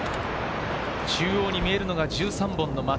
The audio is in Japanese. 中央に見えるのが１３本の松。